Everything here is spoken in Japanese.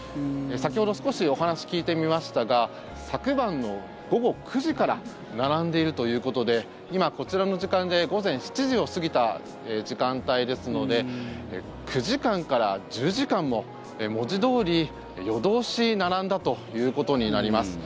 先ほど少しお話聞いてみましたが昨晩の午後９時から並んでいるということで今、こちらの時間で午前７時を過ぎた時間帯ですので９時間から１０時間も文字どおり、夜通し並んだということになります。